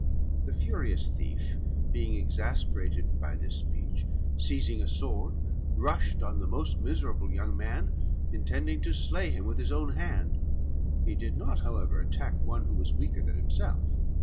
The furious thief, being exasperated by this speech, seizing a sword, rushed on the most mtsetable young maoi intending to slay him with his own hand. He did not, however, attack one who was weaker than himself.